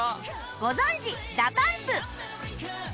ご存じ ＤＡＰＵＭＰ